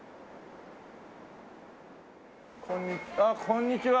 こんにちは。